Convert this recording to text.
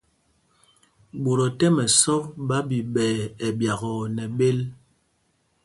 Ɓot o tɛ́m ɛsɔk ɓa ɓiɓɛɛ ɛɓyakɔɔ nɛ bēl.